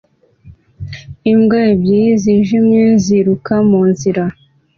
Imbwa ebyiri zijimye ziruka munzira